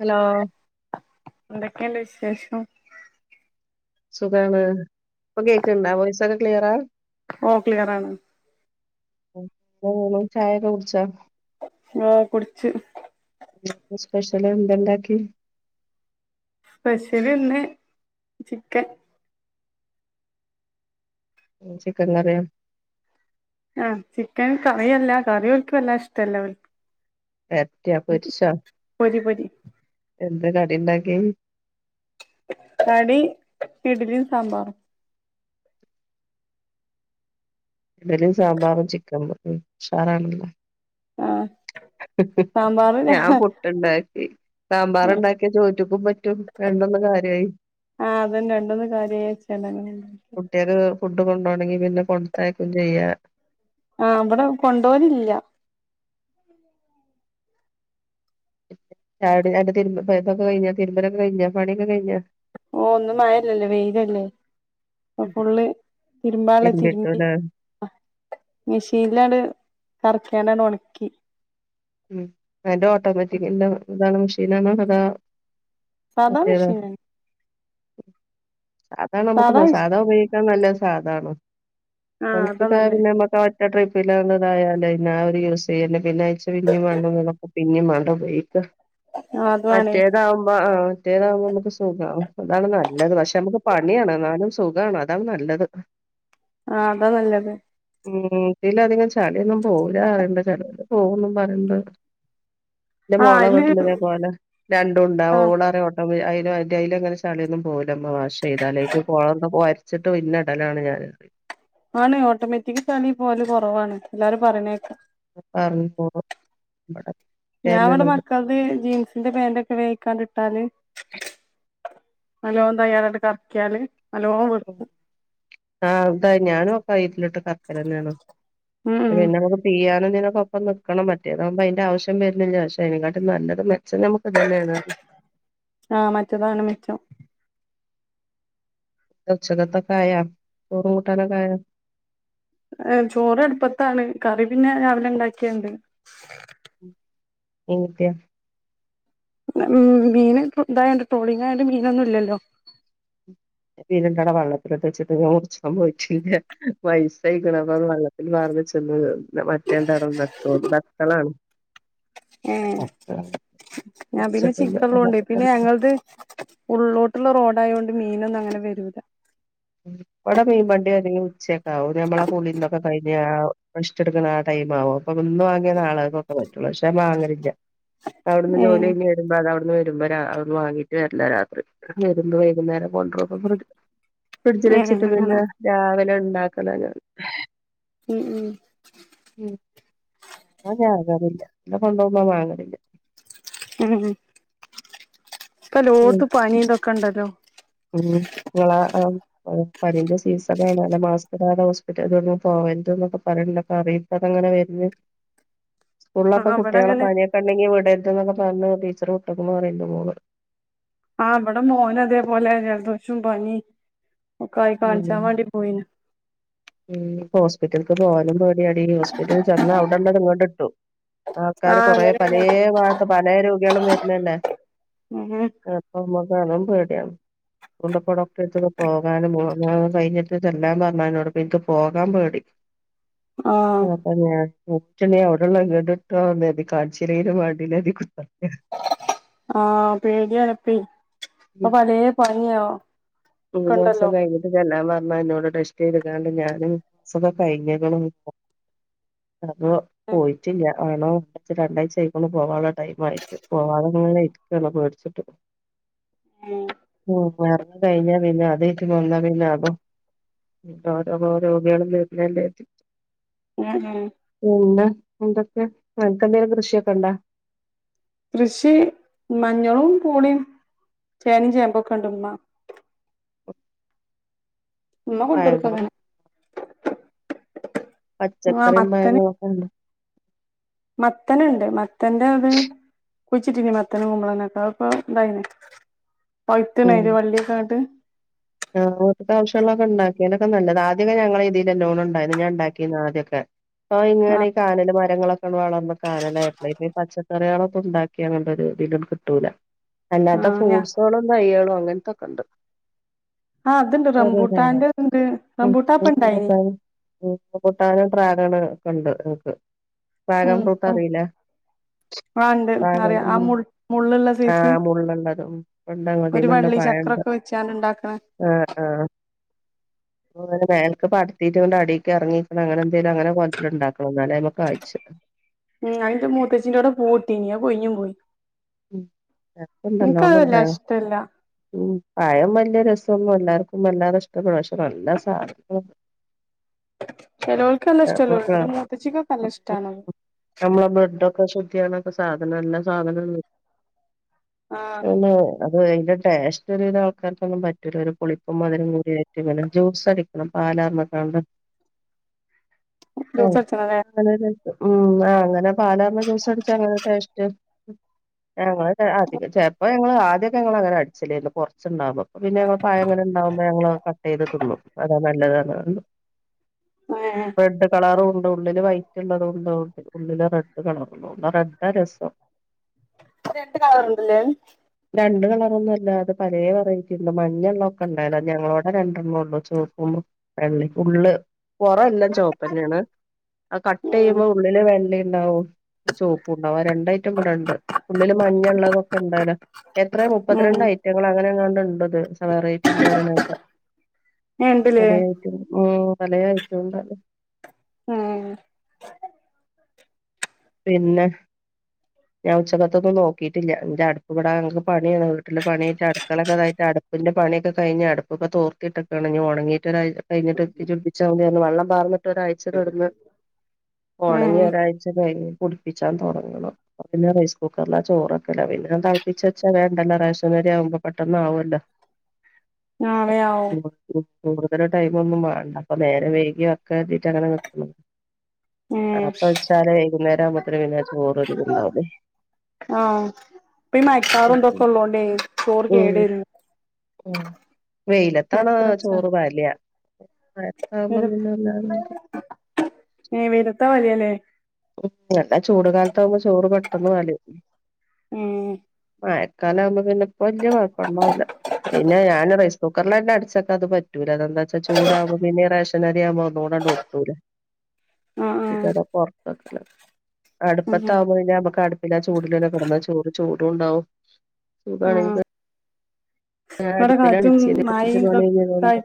Hello എന്തൊക്കെണ്ട് വിശേഷം സുഖാണ് ഇപ്പൊ കേക്ക്ണ്ടോ വോയിസൊക്കെ ക്ലിയറാ ഓ ക്ലിയറാണ് ന്താ യ്യ്ണ് ചായൊക്കെ കുടിച്ചോ ഉം കുട്ച്ച് സ്പെഷ്യല് എന്തണ്ടാക്കി സ്പെഷ്യല് ഇന്ന് ചിക്കൻ എ ചിക്കൻ കറിയോ ആ ചിക്കൻ കറിയല്ല കറി ഓൽക്ക്‌ വെല്ലാതെ ഇഷ്ടല്ല വെരട്ട്യോ പൊരിച്ചോ പൊരി പൊരി എന്ത കടിണ്ടാക്ക്യേ കടി ഇഡ്ലിംസാമ്പാറും ഇഡ്ലിം സാമ്പാറും ചിക്കൻ കരിം ഉഷാറാണല്ലോ ആഹ് [unintelligible] സാമ്പാറ് ഞാൻ ആഹ് പുട്ടുണ്ടാക്കി സാമ്പാറ് ഇണ്ടാക്കിയ ചോറ്റിക്കും പറ്റും രണ്ടോന്ന് കാര്യായി ആഹ് അതന്നെ രണ്ടൊന്ന് കാര്യച്ചാങ്ങനന്നെ കുട്ടികക്ക് ഫുഡ് കൊണ്ടോണങ്കി പിന്നെ കൊടുത്തയക്കു ചെയ്യ ആഹ് വിടെ കൊണ്ടോലില്ല ചായുടി ൻ്റെ തിരുമ്പക്കെഴിഞ്ഞ തിരുമ്മലൊക്കെ കഴിഞ്ഞ പണിയൊക്കെ കഴിഞ്ഞ ഓ ഇന്നു മഴല്ലല്ലോ വെയിലല്ലേ അപ്പൊ ഫുള്ള് തിരുമ്പാള്ള തിരുമ്പി തിരുമ്പിട്ടൂലേ മിഷീനിലാണ്ട് കറക്കിണ്ടാണ് ഒണക്കി ഉം അന്റെ ഓട്ടോമാറ്റിക്കൻ്റെ ഇതാണേ മെഷീനണോ അതാ സാധാ മറ്റേതൊ മെഷീനന്നെ [unintelligible] അതാണ് നമുക്ക് സാധാ മെഷീൻ സാധ ഉപയോഗിക്കാൻ നല്ല സാധാണ് ആഹ് അതാ നല്ലേ പിന്നെ [unintelligible] ഒറ്റ ട്രിപ്പലതായാന്ന അവര് യൂസ് ചെയ്യല് പിന്നെ [unintelligible] പിന്നെ [unintelligible] വേണ്ടേ ഉപയോഗിക്കാ ആഹ് അത് വാണേ മറ്റേതാവുമ്പോ ആഹ് മറ്റേതാവുമ്പോ നമക്ക് സുഖം അതാണ് നല്ലത് പക്ഷെ നമുക്ക് പണിയാണ് എന്നാലും സുഖമാണ് അതാ നല്ലത് [inaudible] ആഹ് അതാ നല്ലത് ഇതിലധിക ചളൊന്നും പോകില്ല പറിയണ്ട ചിലത് പോ പറണ്ട് എന്റെ ആഹ് മോള അയില് വിട്ടലിതേപോലെ രണ്ടുണ്ട് ആഹ് ഓള അ അയിലങ്ങനെ മാർറ്റൈല് ചലിയൊന്നും പോവുലമ്മ വാഷചെയ്തല് അയിക്ക് കോ ചുട്ട് പിന്നടലാണ് ഞാൻ പ ആണ് ഓട്ടോമാറ്റിക് ചളിപോല് കൊറവാണ് എല്ലാവരും പറയണേക്കാം [unintelligible] ഞാ ഇവിടെ മക്കൾത് ജീൻസിന്റെ പേൻറ് വേക്കാട്ടാല് നല്ലോ തയ്യതകറക്കിയാല് ആഹ് ഇന്താ ഞാനും ഒക്കെ അയിലിട്ട് കർക്കലന്നെയാണ് മ്മ് പിന്നെ നമുക്ക് പിയാനക്കൊപ്പം നിക്കണം മറ്റേതാവുമ്പോ അതിന്റെ ആവശ്യം വരുന്നില്ല പക്ഷെ അതിനക്കാട്ട നല്ലത് ശെ നമക്ക് ഇതന്നെയാണ് ആഹ് മറ്റേതാണ് മെച്ചം ഉച്ചക്കത്തകായാ ചോരും കൂട്ടാനക്കായ ഏ ചോറ് അടുപ്പത്താണ് കറി പിന്നെ രാവിലെ ഉണ്ടാക്കിയണ്ട് ഉം [unintelligible] മീൻ ഇതായണ്ട് ടൊളിങ് അയാധൊണ്ട് മീനൊന്നും ഇല്ലല്ലോ മീൻന്റെടെ വള്ളത്തില ഇട്ട് വെച്ചിട്ട് ഞൻമുറിച്ച പോയിട്ടില്ല വൈസായി അപ്പൊ അതു വെള്ളത്തിൽ പാർനെച്ചെന്ന് മറ്റേത്ണ്ട് നന്തോലി [unintelligible] ഏ ഞാൻ പിന്നെ ചിക്കള്ളോണ്ട് പിന്നെ മുറിച്ചിട്ടില്ല ഞങ്ങത് ഉള്ളിലോട്ടുള്ള റോഡ ആയത് കൊണ്ട് മീനൊന്നും അങ്ങനെ വരൂല്ല വിടെ മീൻപണ്ടി വർണഗി ഉച്ചയൊക്കെ ആവും ഞമ്മളെ കുളിന്നൊക്കെ കഴിഞ്ഞ കഷ്ടെടുക്കുന്ന ആടൈമാവും അപ്പൊ ഇന്ന് വാങ്ങിയ നാളക്കൊക്കെ പറ്റുള്ളൂ പക്ഷെ വാങ്ങലില്ല അവിടുന്ന് ജോലി ഏഹ് കയിഞ്ഞു വരുമ്പോ അത അവിടുന്ന് വരുമ്പോ അന്ന് വാങ്ങീട്ട് വരില്ല രാത്രി വരുമ്പോ വൈകുന്നേരം കൊണ്ടുറും അപ്പൊ ഫ്രിഡ്ജ് ഫ്രിഡ്ജിൽ ഏഹ് വെച്ചിട്ട് പിന്നെ അങ്ങനെ രാവിലെ ഇണ്ടാക്കല ഞൻ ഉം ഉം ഉം ആകറില്ല ഇവടെ കൊണ്ടോന്ന വാങ്ങലില്ല ഉം ഉം ഇപ്ലോത്ത് പനി ഇതൊക്കെ ഇണ്ടല്ലോ ഉം ഇങ്ങളെ ആം പ്പൊ പനിന്റെ സീസണാണാലാ മാസ്‌ക്ക്ടാതെ ഹോസ്പിറ്റക്കൊന്നും പോവര്ത് ന്നൊക്കെ പറീണ്ട്. കാരണീ തൊക്കെ ങ്ങനെ വെര്ന്ന് സ്കൂളൊക്കെ ആഹ് ഇവടെ കുട്ടികളെ അങ്ങനെ പനിയൊക്കെ ഉണ്ടെങ്കിൽ വിടരുത്ന്നൊക്ക പറഞ് ടീച്ചർ വിറട്ട്ക്ക്ണ് റയണ്ട് മോള് ആഹ് വടെ മോന അതേപോലെ ജലദോഷവും പനിം ഒക്കെ ആയി ഉം കാണിച്ചാൻ വേണ്ടി പോയിന് ഉം പ്പൊ ഹോസ്പിറ്റലക്ക് പോവാനും പേടിയാടി ഹോസ്പിറ്റലിൽ ചെന്ന അവ്ടെള്ളത് ഇങ്ങണ്ട്ട്ടും ആൾക്കാര് ആഹ് കൊറേ അങ്ങനെയാണ് പലേ ഭഗത്ത പലേ രോഗിയാളും വെര്നല്ലേ ഉംഹ് പ്പൊ അമ്മക്കാലും പേടിയാണ് കൊണ്ട്പ്പൊ ഡോക്ടറെട് ത്ത്ക്ക് പോകാനും മോ മോം കഴിഞ്ഞിട്ട് ചെല്ലാൻ പറഞ്ഞാ ന്നോട് പിൻക് പോകാൻ പേടി ആഹ് അപിന്നെ ഞാൻ [unintelligible] അവിടെള്ള വെട്ക്കോന്നെര്തി കാൺച്ച്ലേലും വാണ്ടില്ലാ ര്തി കുത്ത്ർക്കാ [inaudible] ആഹ് പേടിയാണ്പ്പെയ് പ്പൊ പലേ പനിയോ ഒക്ക ണ്ടല്ലോ ചെല്ലാം പറഞ്ഞാ ന്നോട് ടെസ്റ്റെയ്ത് ക്കാണ്ട് ഞാന് സ് [unintelligible] കഴിഞ്ഞ്ക്ക്ണ് പ്പൊ അപ്പൊ പോയിറ്റ്ല്യ ആണോ പ്പൊ ച്ച് രണ്ടാഴ്ച ആയിട്ടൊള്ളു പോവാന്അ ടൈം ആയ് ട്ട് പോവാതങ്ങനെ ഇരിക്കാണ് അത്പേടിച്ചിട്ട് മോ ഉം [unintelligible] കഴിഞ്ഞ പിന്നെ അത് ഇത്‌ [unintelligible] പിന്നെ അപ്പൊ ഓരോവോരോഗിയാള് വെര്ണല്ലേ ച്ച് എഹ് ഏഹ് പിന്നെ എന്തൊക്കെ അൻക്ക്ന്തേിലും കൃഷിയൊക്കെ ഉണ്ടാ കൃഷി മഞ്ഞളും പൂളീം ചേനിം ചേമ്പൊക്കെണ്ട് മ്മ മ്മ പഴങ്ങളും കൊണ്ടൊക്കുംങ്ങനെ ആഹ് പച്ചക്കറിം പയാറു മത്തന് ഒക്കെണ്ട് മത്തന്ണ്ട് മത്തൻന്റെ അത് കുഴിച്ചിട്ടിന് മത്തനും കുമ്പളങ്ങൊക്കെ അപ്പൊ ഇണ്ടായിന് പൈത്ത്ണ് ഉം അയിന്റെ വള്ളിയൊക്കെങ്ങട്ട് ആഹ് വീട്ട്ക്കാവശ്യളൊക്കെ ണ്ടാക്കിയാലൊക്കെ നല്ലതാ ആദ്യൊക്കെ ഞങ്ങളെതീല് ലല്ലോണം ഉണ്ടായിന്ന് ഞാൻണ്ടാക്കിന്ന് ആദ്യൊക്കെ ഇപ്പൊ ആ ഇങ്ങനെ ഈ കാനല് മരങ്ങളൊക്കെ ക്കെ വളർന്ന് കാനലായപ്ലെയ് പ്പൊ ഈ പച്ചക്കറിയാളൊക്കെണ്ടാക്കിയ ങ്ങൺണ്ടൊരു തില് ണ്ട് കിട്ടൂല അല്ലാത്ത ആഹ് ഞാ ഫ്രൂട്സോളും തയ്യാളും അങ്ങനത്തൊക്കെണ്ട് ആഹ് അത്ണ്ട് ഒരെ [unintelligible] ഉം [unintelligible] ഇണ്ടായിനി ട്ടാനും ഉം കൊട്ടാന് ഡ്രാഗണ് ഒക്കണ്ട് ൻക്ക് ഡ്രാഗൺ ഫ്രൂട്ട് അറിയില്ലെ ആഹ്ഇണ്ട് അറിയ ആ മുള് മുള്ള്ള്ള സെയ്സ് ആഹ് മുള്ളുള്ളത് ഉം ഉണ്ട് ഒര് അതിമ്മണ്ട് പഴണ്ട് വള്ളിചക്രൊക്കെ വെച്ചാണ്ട് ഇണ്ടാക്ക്ണേ ആഹ്, ആഹ് അങ്ങനെമേലെക്ക് പടർത്തിട്ട് ഈണ്ട് അടീക്ക് എർങ്ങീക്കണെ അങ്ങനെ എന്തേലും അങ്ങനെകോല്ത്തില് ഇണ്ടാക്കണം ഇന്നാലെഅയ്മേകായ്ച്ച ഉംഅയ്ന്റെ മുത്തച്ചിന്റോടെ പൂവ്ഇട്ടീനിം അഹ്കൊയ്ഞ്ഞുംപോയി. ഉം ചക്ക ഇൻക്കഹ് നല്ലോണം ഉണ്ടാവും വല്ലാഇഷ്ട്ടല്ല. ഉം പയം വല്ല്യരെസൊന്നുല്ല എല്ലാർക്കും വല്ലാതെ ഇഷ്ടപ്പെട പക്ഷെന്നല്ലെ സാധന ചെലോൽക്ക് ന്നല്ലെ ഇഷ്ട്ടല്ലോല്ണ്ട് ഇന്റെ മൂത്തച്ചിക്കക്കൊക്കെല്ല ഇഷ്ട്ടാണ്. ഞമ്മളെ ബ്ലഡൊക്കെ ശുദ്ധിയണൊക്കെണ സാധനന്നല്ലെ സാധനാണ്. ആഹ് തെന്നേ അത് അയ്ന്റെ ടേസ്റ്റ് ഒരുവിധം ആൾക്കാർക്കൊന്നും പറ്റൂല ഒര് പുളിപ്പും മധുരകൂടിആയിറ്റ് ങ്ങനെ ജ്യൂസടി ക്കണം പാലാർന്ന്ക്കാണ്ട്. ജൂസടിച്ചണംലേ അങ്ങനെരെസം ഉം ആഹ് അങ്ങനെ പാലാർന്ന് ജ്യൂസ്അടിച്ചാ അങ്ങനെരു ടേശ്റ്റ്. ഞങ്ങളൊക്കെ അധികം ചെൽപ്പോ ഞങ്ങള് ആദ്യയൊക്കെ ഞങ്ങള്ങ്ങനെ അടിച്ചിലരുന്നു കൊർച്ണ്ടാവുമ്പോ പ്പൊ പിന്നെഞങ്ങൾ പഴം ഇങ്ങനെ ഇണ്ടാകുമ്പോ ഞങ്ങൾ അത് കട്ടെയ്യ്ത് തിന്നും അതാന്നല്ലെത് പറഞ്ക്കാണ്ട് [unintelligible] യേ റെഡ്കളറുണ്ട് ഉള്ളില് വൈറ്റ് ഉള്ളതുണ്ട് ഉള്ളില് റെഡ് കളറള്ളത്ണ്ട് ആഹ് റെഡാ രെസം. രണ്ട് കളർണ്ട്ലേ. രണ്ട് കളറൊന്നല്ല അത് പലേവെറൈറ്റി ഇണ്ട് മഞ്ഞെള്ളെ ഒക്കെഇണ്ടവുടെ ഞങ്ങളോടെ രണ്ടെണൊള്ളൂ ചോപ്പും വെള്ളീം ഉള്ള് പൊറം എല്ലാംചോപെന്നെണ് അഹ് ഉം കട്ടെയ്യുമ്പോ ഉള്ളില് വെള്ളിണ്ടാവും ചോപ്പുണ്ടാവും. അഹ് രണ്ടായ്റ്റം ഇബടെണ്ട്. ഉള്ളിൽമഞ്ഞ ഇള്ളതൊക്കെ ഇണ്ടലോ എത്ര ഉം മുപ്പത്തിരണ്ട് ഐറ്റങ്ങൾ അങ്ങനെ അങ്ങാണ്ട് ഇണ്ട്ത് സവേറെ റ്റ് ഇണ്ട്പറീണേക്കാ ഏഹ് ഇണ്ട്ല്ലേ പലേ അയ്റ്റണ്ട് ഉം പലേ അയ്റ്റണ്ടോലോ ഉം പിന്നെ ഞാ ഉചെക്കെത്തത്തൊന്നും നോക്കയിട്ടില്ല ഇന്റെ അടുപ്പ് ഇബാടാകെ പണിയവീട്ടിൽ പണിയായ്റ്റ് അടുക്കളൊക്കെ ഇപ്പോ പണിയൊക്കെ കയ്ഞ്ഞ് അടുപ്പൊക്കെ തോർത്തിട്ട്ക്കാണ് ഞ്ഞി ഒണങ്ങിട്ടൊരായ് കഴിഞ്ഞിട്ട് തിജ്ജ് പുട്പ്പിച്ചാമതി വള്ളം പാർന്നിട്ട് ഒരാഴ്ചതുടർന്ന് ഉം ഒണങ്ങി ഒരാഴ്ച പേ പുട്പ്പിച്ചാൻ തൊടങ്ങണം. ഇപ്പോപിന്നെ റൈസ്കുക്കറില ചോറൊക്കെല് പിന്നെ അത് തൾപ്പിച്ച് വെച്ചാവേണ്ടല്ലോ റേഷനരി ആവുമ്പോ പെട്ടന്നാവോലോ. ആഹ് വേആവും. കു കൂടുതല് ടൈമൊന്നും വാണ്ട അപ്പൊനേരെ വെയ്കിവെക്കാർതീട്ട് അങ്ങനെന്നിന്നു. ആഹ് ഉം അപ്പവെച്ചാല് വെയ്കുന്നേരം [unintelligible] പിന്നെ ചോറ് ഒര് ഇതാവൂലെ. ആഹ് ഇപ്പേ ഉം ഈമക്കാറുംത്ക്കെ ഇള്ളോണ്ടേ ചോറ് കേടും. ഉം വെയ്ലെത്താണ് നേരത്തെ വെച്ചാ ചോറ് പാലാമയത്താകുമ്പോ വെരു പിന്നെ വല്ലാതെ ഇങ്ങട്ട് ഏഹ് വെയ്ലെത്താ വലിയാലേ ഉം അതാചൂട് കാലത്താകുമ്പോ ചോറ് പെട്ടെന്ന് വലിം. എഹ് മയക്കാലാവുമ്പോ പിന്നെപ്പൊ വല്ല്യാ കൊയപ്പണ്ടാവൂല. പിന്നെ ഞാന് റെയ്സ് കുക്കറിലെന്നേ അടച്ച്ക്കാൻ ഇത് പറ്റൂല ഇതെന്താ ച്ച ചൂടാകുമ്പോ പിന്നെ റേഷൻ അരിയാവുമ്പോ ഒന്നൂടാണ്ട് ഒട്ടൂലേ. ആഹ് ടിക്ക ആഹ് അതാപോർത്വെക്കൽ ആഹ് അടുപ്പത്താവകുമ്പോ പിന്നെ നമ്മക്ക് അട് പിന്നെചൂടിലെന്നെ കട്ന്ന് ചോറ്ചൂടൂണ്ടാവും ആഹ് ചൂടാണെങ്കിതെ ആഹ് ഇവിടെ അടുപ്പിലാണ് കാറ്റും വെച്ചീനെ അപ്പോയിച്ച് മഴയും തോന്നമ്മെ ഇതൊക്കെ ഇള്ളണ്ട്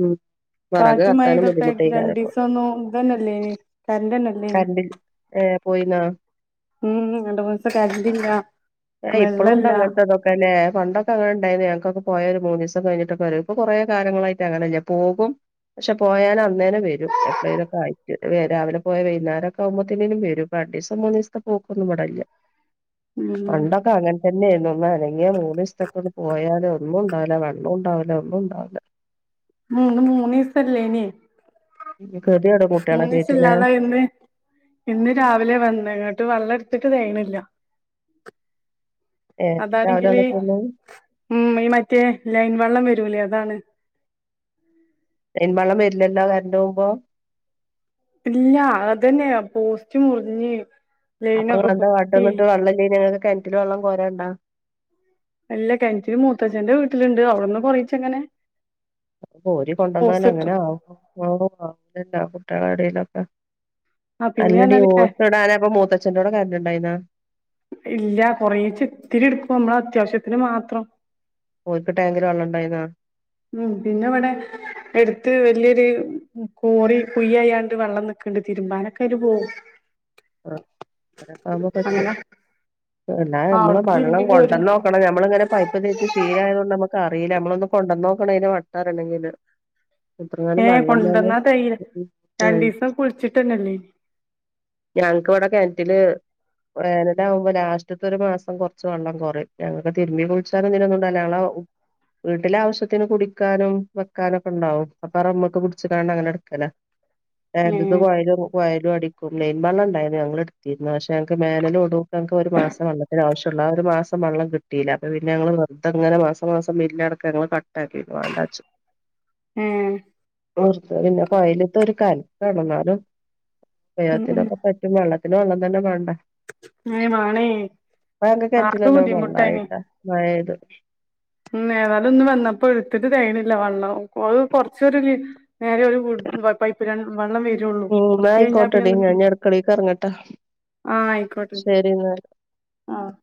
ഉം വെറക് കത്താനും കാറ്റുമയെതെപ്പൊ ഇതൊക്കെ ബുദ്ധിമുട്ടേക്കാരം രണ്ടു ഇപ്പൊ ദിവസം ഒന്നുല്ലയ്നി ഇത് തന്നെയല്ലേ ഇനി തൻ തന്നെ കർണ്ട് ഏഹ് പോയീന്നോ ഉം രണ്ടുന്നുസത്തെ കരണ്ടില്ല വെള്ളല്ല തന്നേ പണ്ടൊക്കെ അങ്ങന ഉണ്ടായിന്നു ഞങ്ങക്കൊക്കെ പോയ ഒരു മൂന്നീസം കഴിഞ്ഞിട്ടൊക്കെ വരു ഇപ്പൊ കൊറേ കാലങ്ങളായിട്ട് അങ്ങനെല്ല പോകും പഷെ പോയാലും അന്നേനം വരും എപളേലൊക്കെ ആയിട്ട് രാവിലെ പോയ വൈന്നേരൊക്കെ ആവുമ്പോത്തിനേലു വെരും രണ്ടീസം മൂന്നീസ്ത്തെ പോക്കൊന്നും ഇവടില്ല്യ ഉം പണ്ടൊക്കെ അങ്ങന തന്നെ ഒന്ന അനങ്ങിയ മൂന്ന് ഈസത്തക്കൊട് പോയല് ഒന്നും ഇണ്ടാവില്ല വെള്ളുണ്ടാവില്ല ഒന്നും ഇണ്ടാവില്ല മൂന്ന് മൂന്നീസല്ലേനി ഇനി ഗതികേട് കുട്ടികളൊക്കെ മൂന്നീസം ആയിട്ടില്ലേ ഇല്ലാതെ ഇന്ന് ഇന്ന് രാവിലെ വന്ന് അങ്ങോട്ട് വെള്ളം എടുത്തിട്ട് തെകയിണില്ല ഏഹ് രാവിലെ അതാണെങ്കിൽ വന്നിട്ടൊന്നും ഉം ഈ മറ്റേ ലൈൻ വെള്ളം വരൂലേ അതാണ് ലൈൻ വെള്ളം വരില്ലല്ലാ കരണ്ട് പോവുമ്പോ ഇല്ല അതന്നെ പോസ്റ്റ് മുറിഞ്ഞ് അപ്പൊ ലൈനൊക്കെ ഇങ്ങളെന്താ കാട്ടി പൊട്ടി ന്നിട്ട് കെൻറ്റില് വെള്ളംല്ലേന്നിട്ട് കെൻറ്റില് വള്ളം കോരണ്ടാ അല്ല കൊൺറ്റില് മൂത്തച്ഛന്റെ വീട്ടിലുണ്ട് അവിടെന്ന് കൊറയിച്ചെ ഇങ്ങനെ അപ്പൊ കോരി കൊണ്ടന്നാല അങ്ങനെ കിട്ടും ആഹ് ആഹ് ആനല്ല കുട്ടളെടയിലൊക്കെ ആ പിന്നെ അല്ലടി പറഞ്ഞാല് ഏ ഓല്ക്കിടാൻ അപ്പ മൂത്തച്ഛന്റെോടെ കാരണ്ട്ണ്ടായിന ഇല്ല കൊറേച്ചെത്തിരി ഇടുക്കും നമ്മള് അത്യാവശ്യത്തിന് മാത്രം ഓൽക്ക് ടാങ്കില് വെള്ളണ്ടായിനാ ഉം പിന്നെ ഇവിടെ എടുത്ത് വല്യഒരു കോറി കുയായാണ്ട് വെള്ളം നിക്ക്ണ്ട് തിരുബാനൊക്കെ അയില് പോവും [inaudible] ആ അങ്ങനൊക്കമ്പോ പറ്റും അങ്ങനെ എല്ലാ ആ നമ്മള് അവിടുന്ന് വെള്ളം തിരുമ്പി കൊണ്ട പോരും ന്നോക്കണം ഞമ്മളിങ്ങനെ പൈപ്പ് തിരിച്ച് ക്ഷീലായോണ്ട് നമക്ക് അറിയില്ല നമ്മളൊന്ന് കൊണ്ടനോക്കാണയിന് വട്ടറിയണെങ്കില് എത്രയാലും ഏ വെള്ളം വേണം ഉം ഉം കുളിച്ചിട്ടന്നല്ലേ ഞങ്ങക്ക് ഇവിടെ കെണറ്റില് വേനലാമ്പോ ലാസ്റ്റ്ത്തൊരു മാസം കൊറച്ച് വെള്ളം കൊറയും ഞങ്ങൾക്ക് തിരുമ്മി കുളിച്ചാലങ്ങനൊന്നുണ്ടാല്ല ഞങ്ങള വീട്ടിലെ ആവശ്യത്തിന് കുടിക്കാനും വെക്കാനൊക്കെ ഉണ്ടാവും അപ്പറമ്മക്ക് കുടിച്ചിക്കാണ്ട് അങ്ങനെ എടുക്കല എറ്റിത് ഏഹ് കോയലും കോയലും അടിക്കുല്ലേ ൻ ബള്ളം ണ്ടായിന്ന് ഞങ്ങള്ട്ത്തിര്ന്നു പക്ഷെ ഞങ്ങക്ക് മേനല് ഒടുക്ക് ഞങ്ങക്ക്‌ ഒരു മാസം വള്ളത്തിന് ആവശ്യള്ളൂ ആ ഒരു മാസം വള്ളം കി കിട്ടില അപ്പൊ പിന്നെ ഞങ്ങള് നിർത്തങ്ങന മാസ മാസം ബിലട്ക്ക ഞങ്ങള് കട്ടാക്കി വാണ്ടാച്ച് ഏഹ് മു പിന്നെ കൊയിലത്ത ഒരു കാലം കെടന്നാലും ഉം ഉം ഉപയൊഗത്തിനൊക്കെ പറ്റും വെള്ളത്തിനു വെള്ളം തന്നെ വേണ്ടേ ഏഹ് വാണേ ഇപ്പ ഞങ്ങക്ക് ആകെ കെറ്റിലല്ല ബുദ്ധിമുട്ടായിന് വെള്ളയിട്ടാ മഴത് ഇന്ന് ഏതാലും ഒന്നു വന്നപ്പോ എട്ത്തിട്ട് തേകണില്ല വെള്ളം ഓൾ കൊറച്ചൊരു നേരെ ഒരു കു പൈപ്പിലാണ് വെള്ളം വരുള്ളൂ ഉം എന്നാ കുറച്ച് കഴിഞ്ഞാ പിന്നെ ആയിക്കോട്ടെടി ഞാൻ ഇനി നിക്കുചെയ്യു അടുക്കളേക്ക് ഇറങ്ങട്ടെ ആ ആയിക്കോട്ടെ ശരി എന്നാല് ആഹ്